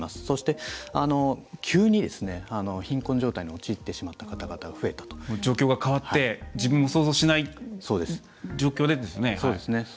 そして、急に貧困状態に陥ってしまった方が状況が変わって、自分も想像しない状況でですよね。